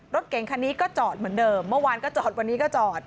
รถเก่งคันนี้ก็จอดเหมือนเดิมเมื่อวานก็จอดวันนี้ก็จอด